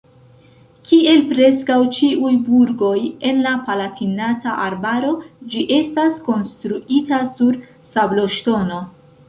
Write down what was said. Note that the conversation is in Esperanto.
Kiel preskaŭ ĉiuj burgoj en la Palatinata Arbaro ĝi estas konstruita sur sabloŝtono.